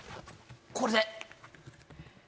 これで。